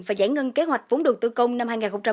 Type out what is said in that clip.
và giải ngân kế hoạch vốn đồn tự công năm hai nghìn một mươi tám